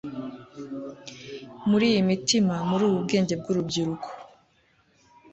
muri iyi mitima, muri ubu bwenge bw'urubyiruko